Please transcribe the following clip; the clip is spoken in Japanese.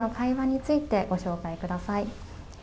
思い出や日々の会話について、ご紹介ください。